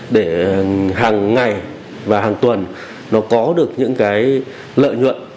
để hàng ngày và hàng tuần nó có được những cái lợi nhuận